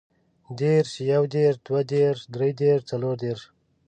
دېرش، يودېرش، دوهدېرش، دريدېرش، څلوردېرش